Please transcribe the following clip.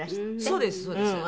そうですそうです。